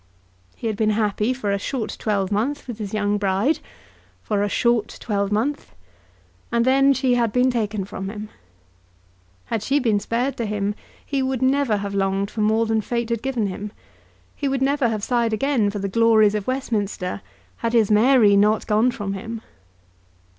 He had been happy for a short twelvemonth with his young bride, for a short twelvemonth, and then she had been taken from him. Had she been spared to him he would never have longed for more than Fate had given him. He would never have sighed again for the glories of Westminster had his Mary not gone from him.